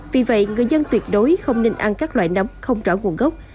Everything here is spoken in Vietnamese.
vì vậy người dân tuyệt đối không nên ăn các loại nấm không rõ nguồn gốc